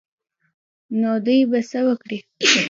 نو دوى به څه وکړي.